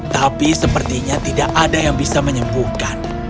tapi sepertinya tidak ada yang bisa menyembuhkan